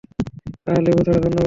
আহ, লেবু ছাড়া, ধন্যবাদ।